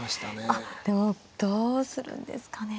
あっでもどうするんですかね。